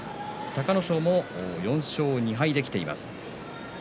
隆の勝も４勝２敗できています。